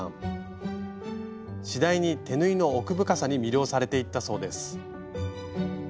次第に手縫いの奥深さに魅了されていったそうです。